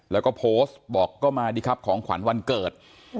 แล้วก็โพสต์บอกก็มาดีครับของขวัญวันเกิด